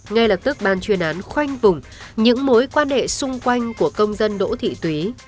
ngay lập tức ban chuyên án khoanh vùng những mối quan hệ xung quanh của công dân đỗ thị túy